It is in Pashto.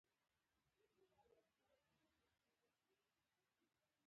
اوس به مجاهد ملت وائي چې ورزش څنګه پکار دے